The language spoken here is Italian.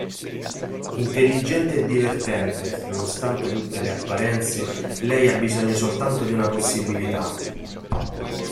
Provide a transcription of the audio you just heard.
Intelligente e divertente, nonostante tutte le apparenze, lei ha bisogno soltanto di una possibilità.